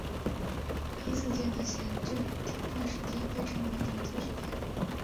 批次间的闲置停顿时间被称为停机时间。